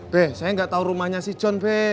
be saya gak tau rumahnya si john be